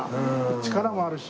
力もあるし。